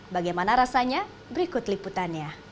bagaimana rasanya berikut liputannya